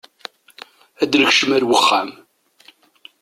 Ad nekcem ar wexxam.